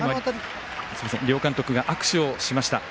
両監督が握手をしました。